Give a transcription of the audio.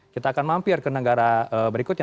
kita akan mampir ke negara berikutnya